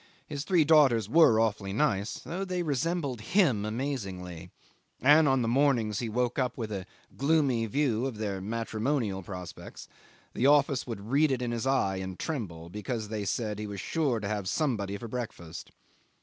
His three daughters were awfully nice, though they resembled him amazingly, and on the mornings he woke up with a gloomy view of their matrimonial prospects the office would read it in his eye and tremble, because, they said, he was sure to have somebody for breakfast.